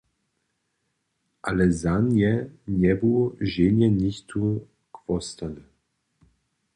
Ale za nje njebu ženje nichtó chłostany.